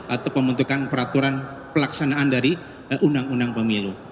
atau pembentukan peraturan pelaksanaan dari undang undang pemilu